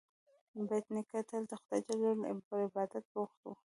بېټ نیکه تل د خدای جل جلاله پر عبادت بوخت و.